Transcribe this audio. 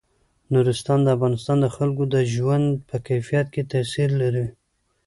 نورستان د افغانستان د خلکو د ژوند په کیفیت تاثیر لري.